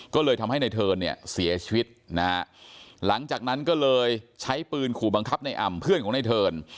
ก็เลยทำให้ในเทิร์นเนี่ยเสียชีวิตนะฮะหลังจากนั้นก็เลยใช้ปืนขู่บังคับในอ่ำเพื่อนของในเทิร์น